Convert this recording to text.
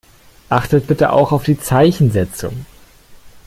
Achtet bitte auch auf die Zeichensetzung.